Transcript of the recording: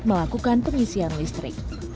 melakukan pengisian listrik